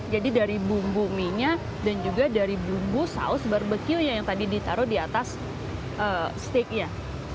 jadi dari bumbu mie nya dan juga dari bumbu saus barbecue yang tadi ditaruh diatas steaknya